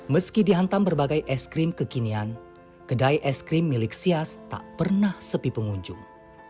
meski dihantam berbagai es krim kekinian kedai es krim milik sias tak pernah sepi pengunjung